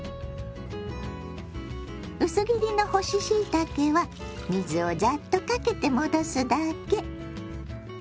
薄切りの干ししいたけは水をザッとかけて戻すだけ。